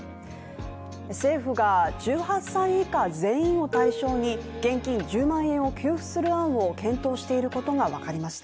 政府が１８歳以下全員を対象に現金１０万円を給付する案を検討していることがわかりました。